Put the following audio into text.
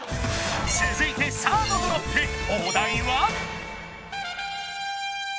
続いてサードドロップお題は？